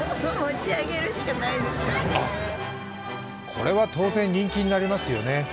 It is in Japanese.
これは当然、人気になりますよね。